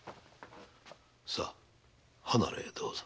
さあ離れへどうぞ。